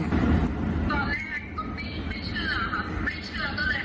ตอนแรกต้องไปไม่เชื่อค่ะ